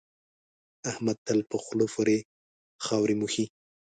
احمد تل په خول پورې خاورې موښي.